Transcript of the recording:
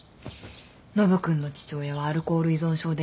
ノブ君の父親はアルコール依存症でね。